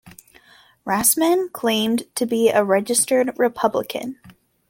Rassmann claimed to be a registered Republican.